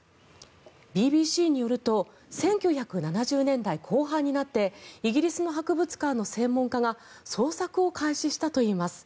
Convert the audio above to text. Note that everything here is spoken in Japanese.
ＢＢＣによると１９７０年代後半になってイギリスの博物館の専門家が捜索を開始したといいます。